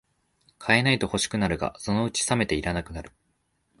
買えないと欲しくなるが、そのうちさめていらなくなる